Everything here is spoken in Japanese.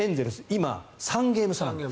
今、３ゲーム差。